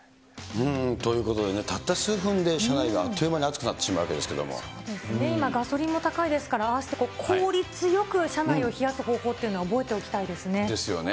ということでね、たった数分で車内があっという間にあつくなってしまうわけですけ今、ガソリンも高いですから、ああして効率よく車内を冷やす方法というのは覚えておきたいですですよね。